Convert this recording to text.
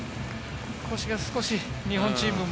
腰が少し日本チームも。